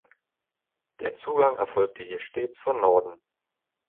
Der Zugang erfolgte hier stets von Norden.